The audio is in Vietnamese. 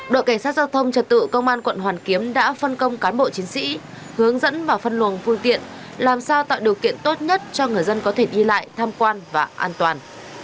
đội cảnh sát giao thông trật tự công an quận hoàn kiếm đã phân công cán bộ chiến sĩ hướng dẫn và phân luồng phương tiện làm sao tạo điều kiện tốt nhất cho người dân có thể đi lại tham quan và an toàn